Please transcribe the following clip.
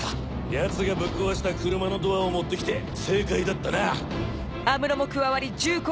ヤツがぶっ壊した車のドアを持ってきて正解だったなぁ。